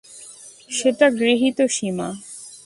সেটা গৃহীত সীমা।